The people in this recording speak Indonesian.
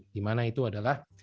dimana itu adalah